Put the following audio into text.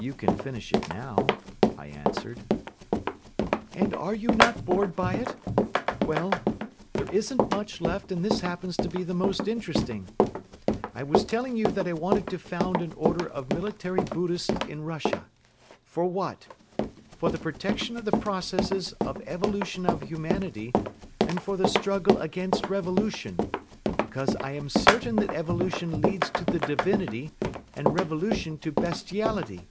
"You can finish it now," I answered. "And are you not bored by it? Well, there isn't much left and this happens to be the most interesting. I was telling you that I wanted to found an order of military Buddhists in Russia. For what? For the protection of the processes of evolution of humanity and for the struggle against revolution, because I am certain that evolution leads to the Divinity and revolution to bestiality.